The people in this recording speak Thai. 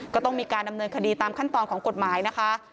ก็ต้องมีการดำเนินคดีตามขั้นตอนของกฎหมายนะคะ